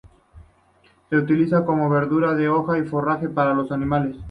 Se utiliza como una verdura de hoja y forraje para los animales.